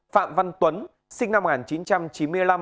phạm văn tuấn sinh năm một nghìn chín trăm chín mươi năm